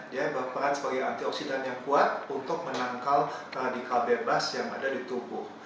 dia berperan sebagai antioksidan yang kuat untuk menangkal radikal bebas yang ada di tubuh